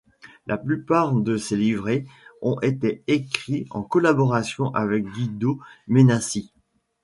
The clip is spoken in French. La plupart de ses livrets ont été écrits en collaboration avec Guido Menasci.